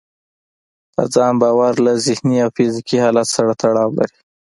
په ځان باور له ذهني او فزيکي حالت سره تړاو لري.